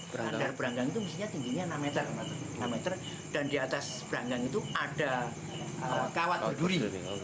beranggang itu misalnya tingginya enam meter dan di atas beranggang itu ada kawat duri